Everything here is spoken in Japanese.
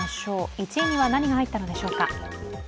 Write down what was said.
１位には何が入ったのでしょうか。